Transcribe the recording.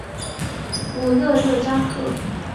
武勒热扎克。